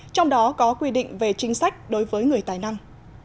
trong đó có quy định về chính sách đối với người tài năng